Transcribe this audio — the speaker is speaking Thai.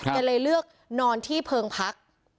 เลยเลือกนอนที่เพิงพัก